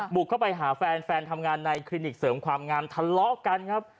บุกเข้าไปหาแฟนแฟนทำงานในคลินิกเสริมความงามทะเลาะกันครับ